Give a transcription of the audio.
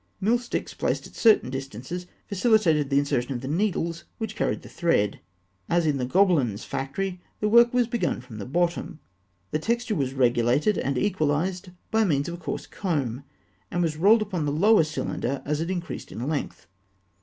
Mill sticks placed at certain distances facilitated the insertion of the needles which carried the thread. As in the Gobelins factory, the work was begun from the bottom. The texture was regulated and equalised by means of a coarse comb, and was rolled upon the lower cylinder as it increased in length.